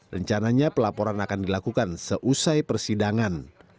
rencananya pelaporan akan dilakukan seusai persidangan